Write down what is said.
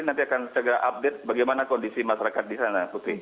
nanti akan segera update bagaimana kondisi masyarakat di sana putri